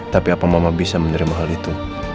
tapi apa mama bisa menerima hal itu